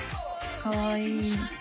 かわいい。